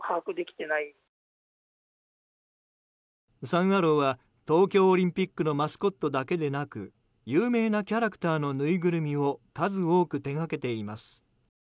サン・アローは東京オリンピックのマスコットだけでなく有名なキャラクターのぬいぐるみを数多く手がけています。